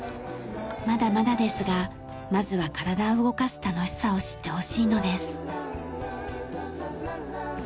まだまだですがまずは体を動かす楽しさを知ってほしいのです。